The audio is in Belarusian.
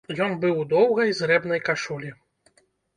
Ён быў у доўгай зрэбнай кашулі.